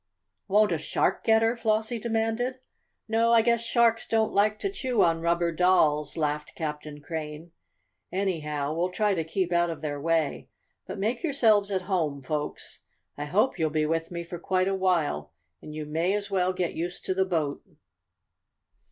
"Won't a shark get her?" Flossie demanded. "No, I guess sharks don't like to chew on rubber dolls," laughed Captain Crane. "Anyhow we'll try to keep out of their way. But make yourselves at home, folks. I hope you'll be with me for quite a while, and you may as well get used to the boat.